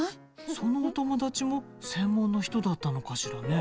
そのお友達も専門の人だったのかしらね。